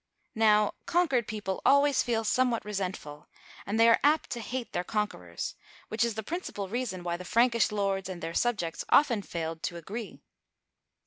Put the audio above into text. Now, conquered people always feel somewhat resentful, and they are apt to hate their conq uerors, which is the principal reason why the Frankish lords and their subjects often failed to agree.